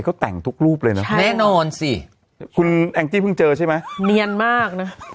เขาแต่งทุกรูปเลยนะแน่นอนสิคุณแองจี้เพิ่งเจอใช่ไหมเนียนมากนะ